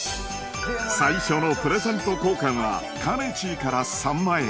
最初のプレゼント交換はかねちーからさんまへ